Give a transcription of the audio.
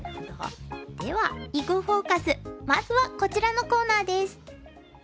では「囲碁フォーカス」まずはこちらのコーナーです。